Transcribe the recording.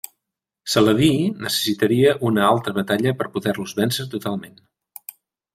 Saladí necessitaria una altra batalla per poder-los vèncer totalment.